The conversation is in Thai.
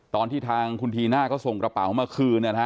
ตอนที่ทางคุณธีน่าก็ส่งกระเป๋ามาคืน